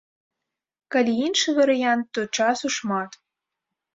Калі іншы варыянт, то часу шмат.